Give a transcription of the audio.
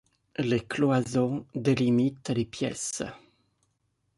les cloisons délimitent les pièces